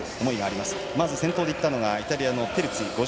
まず、先頭でいったのがイタリアのテルツィ。